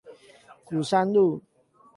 鼓山路